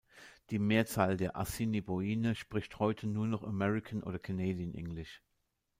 Die Mehrzahl der Assiniboine spricht heute nur noch American oder Canadian English.